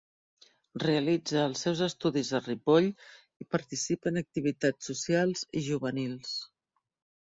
Realitza els seus estudis a Ripoll i participa en activitats socials i juvenils.